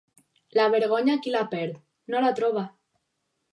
La vergonya, qui la perd, no la troba.